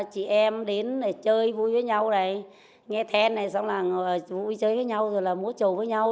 chị em đến để chơi vui với nhau đấy nghe then này xong là vui chơi với nhau rồi là múa trầu với nhau